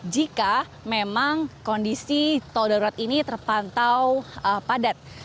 jika memang kondisi tol darurat ini terpantau padat